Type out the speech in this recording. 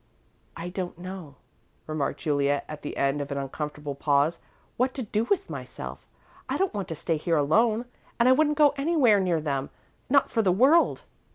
"I don't know," remarked Juliet, at the end of an uncomfortable pause, "what to do with myself. I don't want to stay here alone and I wouldn't go anywhere near them not for the world."